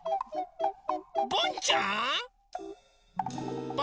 ボンちゃん？